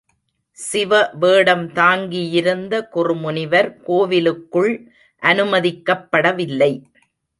சிவ வேடம் தாங்கியிருந்த குறுமுனிவர் கோவிலுக்குள் அனுமதிக் கப்படவில்லை.